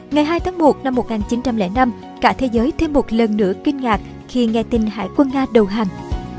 ngày hai tháng một năm một nghìn chín trăm linh năm cả thế giới thêm một lần nữa kinh ngạc khi nghe tin hải quân nga đầu hàng